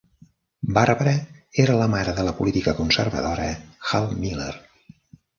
Barbara era la mare de la política conservadora Hal Miller.